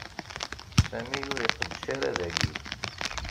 Sami ur iqeddec ara dagi.